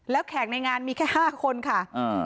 แล้วแขกในงานมีแค่ห้าคนค่ะอ่า